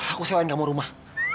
aku sewain kamu rumah